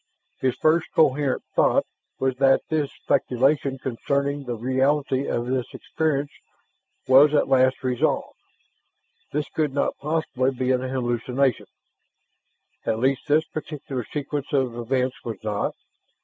His first coherent thought was that his speculation concerning the reality of this experience was at last resolved. This could not possibly be an hallucination; at least this particular sequence of events was not.